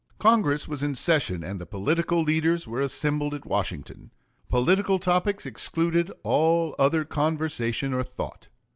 Congress was in session and the political leaders were assembled at Washington. Political topics excluded all other conversation or thought.